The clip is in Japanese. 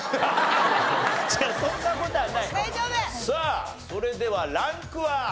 さあそれではランクは？